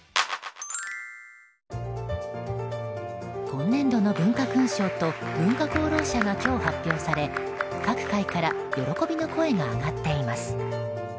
今年度の文化勲章と文化功労者が今日発表され各界から喜びの声が上がっています。